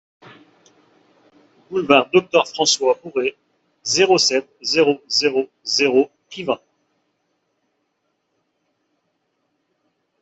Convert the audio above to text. Boulevard Docteur François Bourret, zéro sept, zéro zéro zéro Privas